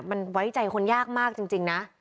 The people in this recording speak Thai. มันไว้ใจคนยากมากจริงนะ